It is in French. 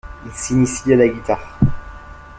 Il s'initie à la guitare.